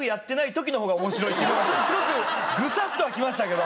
ちょっとすごくグサッとはきましたけど。